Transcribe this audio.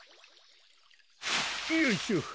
よいしょ。